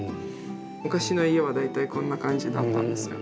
昔の家は大体こんな感じだったんですよ。